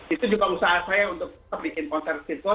itu juga usaha saya untuk tetap bikin konser virtual